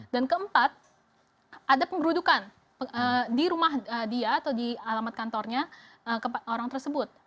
dan keempat ada pemberudukan di rumah dia atau di alamat kantornya orang tersebut